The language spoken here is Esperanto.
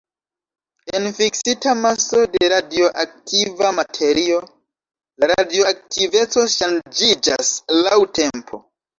En fiksita maso de radioaktiva materio, la radioaktiveco ŝanĝiĝas laŭ tempo.